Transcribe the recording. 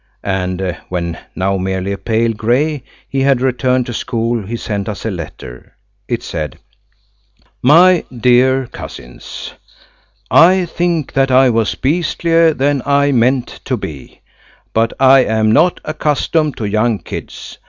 And when, now merely a pale grey, he had returned to school, he sent us a letter. It said: "My dear Cousins, "I think that I was beastlier than I meant to be, but I am not accustomed to young kids.